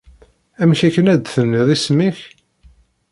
Amek akken ay d-tenniḍ isem-nnek?